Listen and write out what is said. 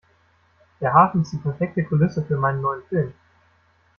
Der Hafen ist die perfekte Kulisse für meinen neuen Film.